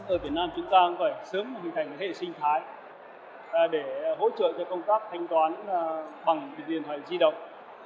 ở việt nam chúng ta cũng phải sớm hình thành hệ sinh thái để hỗ trợ cho công tác thanh toán bằng điện thoại di động